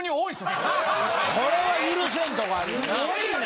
これは許せんとこあるよな。